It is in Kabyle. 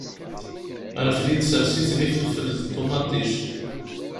Rfed-itt sers-itt d ifelfel d ṭumaṭic.